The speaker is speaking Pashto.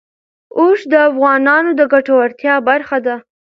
اوښ د افغانانو د ګټورتیا برخه ده.